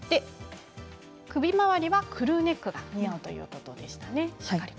首回りは、クルーネックが似合うということでした。